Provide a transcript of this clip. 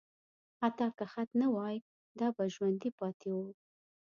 حتی که خط نه وای، دا به ژوندي پاتې وو.